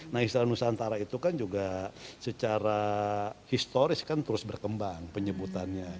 nah istilah nusantara itu kan juga secara historis kan terus berkembang penyebutannya